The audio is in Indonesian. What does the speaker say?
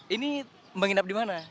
ini menginap di mana